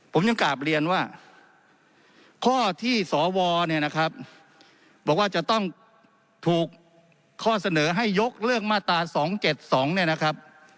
ผมยังกราบเรียนว่าข้อที่สวบอกว่าจะต้องถูกข้อเสนอให้ยกเรื่องมาตรา๒๗๒